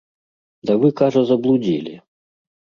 Да вы, кажа, заблудзілі.